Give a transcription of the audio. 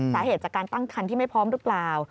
สาเหตุจากการตั้งคันที่ไม่พร้อมหรือเปล่า